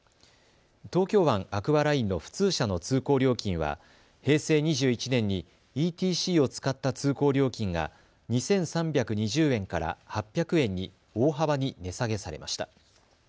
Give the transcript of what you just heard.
アクアラインの普通車の通行料金は平成２１年にＥＴＣを使った通行料金が２３２０円から８００円に大幅に値下げされました。